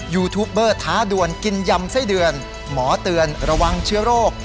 ยูทูปเบอร์ท้าด่วนกินยำไส้เดือนหมอเตือนระวังเชื้อโรค